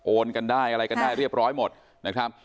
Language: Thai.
กันได้อะไรกันได้เรียบร้อยหมดนะครับ